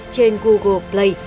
trên google play